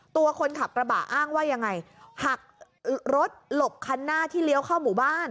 ตัวคนขับกระบะอ้างว่ายังไงหักรถหลบคันหน้าที่เลี้ยวเข้าหมู่บ้าน